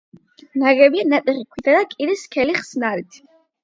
ნაგებია ნატეხი ქვითა და კირის სქელი ხსნარით.